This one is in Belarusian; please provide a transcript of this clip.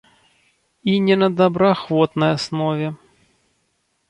І не на добраахвотнай аснове.